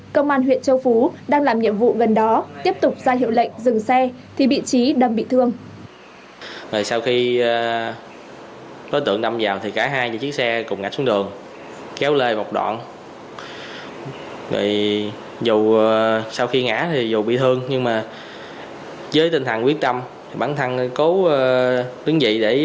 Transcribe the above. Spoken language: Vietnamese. công an huyện châu phú đang làm nhiệm vụ gần đó tiếp tục ra hiệu lệnh dừng xe thì bị trí đâm bị thương